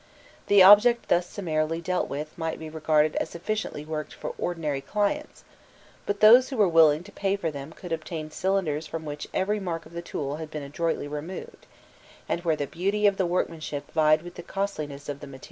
The object thus summarily dealt with might be regarded as sufficiently worked for ordinary clients; but those who were willing to pay for them could obtain cylinders from which every mark of the tool had been adroitly removed, and where the beauty of the workmanship vied with the costliness of the material.